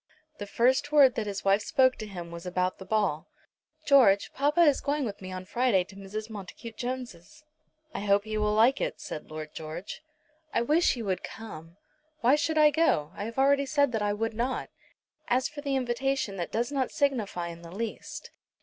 The first word that his wife spoke to him was about the ball. "George, papa is going with me on Friday to Mrs. Montacute Jones'." "I hope he will like it," said Lord George. "I wish you would come." "Why should I go? I have already said that I would not." "As for the invitation that does not signify in the least.